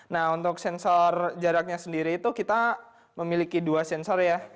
nah untuk sensor jaraknya sendiri itu kita memiliki dua sensor ya